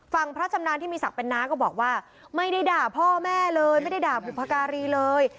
พระชำนาญที่มีศักดิ์เป็นน้าก็บอกว่าไม่ได้ด่าพ่อแม่เลยไม่ได้ด่าบุพการีเลย